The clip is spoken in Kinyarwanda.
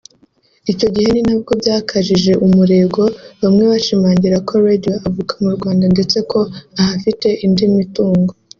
Icyo gihe ni nabwo byakajije umurego bamwe bashimangira ko ‘Radio avuka mu Rwanda’ ndetse ko ahafite indi mitungo